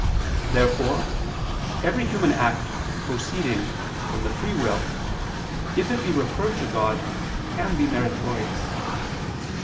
Therefore every human act proceeding from the free will, if it be referred to God, can be meritorious.